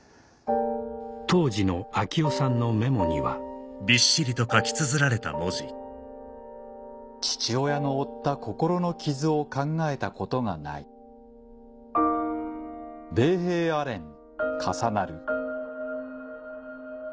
当時の秋夫さんのメモには「父親の負った心の傷を考えたことがない」「米兵アレン重なる！」